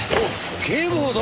警部補殿！